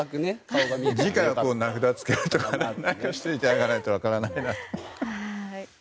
次回は名札を付けるとかしていただかないと分からないなと。